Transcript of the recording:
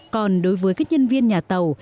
còn đối với các nhân viên nhà tàu